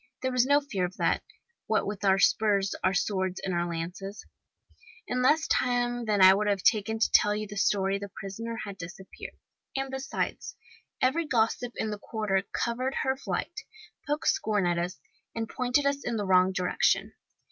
There was no fear of that, what with our spurs, our swords, and our lances. * All Spanish cavalry soldiers carry lances. "In less time than I have taken to tell you the story the prisoner had disappeared. And besides, every gossip in the quarter covered her flight, poked scorn at us, and pointed us in the wrong direction.